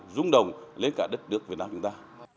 rung đồng lên cả đất nước việt nam chúng ta